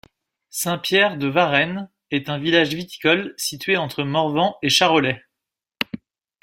Saint-Pierre-de-Varennes est un village viticole situé entre Morvan et Charolais.